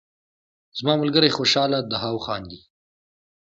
زما ملګری خوشحاله دهاو خاندي